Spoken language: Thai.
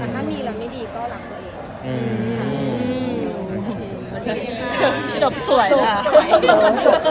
ถ้ามีแล้วไม่ดีก็รักตัวเอง